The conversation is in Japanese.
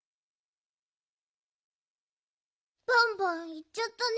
バンバンいっちゃったね。